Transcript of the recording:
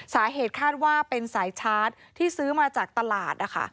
สาเหตุคาดว่าเป็นสายชาร์จที่ซื้อมาจากตลาดนะคะ